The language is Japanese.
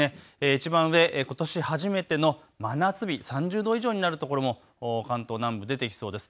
いちばん上、ことし初めての真夏日３０度以上になる所も関東南部出てきそうです。